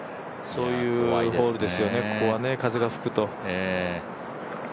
そういうホールですよね、ここは風が吹くと。